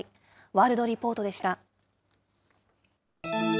ワールドリポートでした。